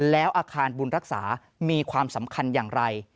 แล้วอาคารบุญรักษามีความสำคัญอย่างไร